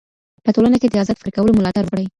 په ټولنه کي د ازاد فکر کولو ملاتړ وکړئ.